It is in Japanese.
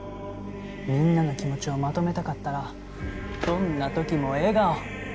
みんなの気持ちをまとめたかったらどんな時も笑顔！